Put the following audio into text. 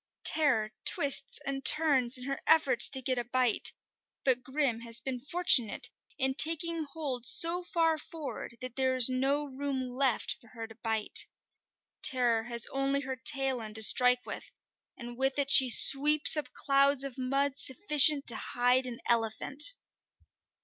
Terror twists and turns in her efforts to get a bite; but Grim has been fortunate in taking hold so far forward that there is no room left for her to bite. Terror has only her tail end to strike with, and with it she sweeps up clouds of mud sufficient to hide an elephant.